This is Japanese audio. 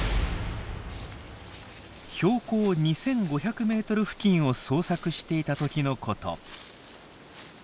標高２，５００ｍ付近を探索していた時のこと。